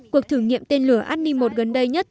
cuộc thử nghiệm tên lửa andi một gần đây nhất